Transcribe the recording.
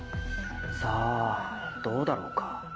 さぁどうだろうか？